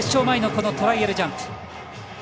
前のトライアルジャンプ。